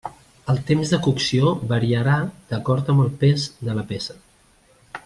El temps de cocció variarà d'acord amb el pes de la peça.